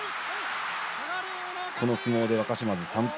この相撲で若嶋津３敗。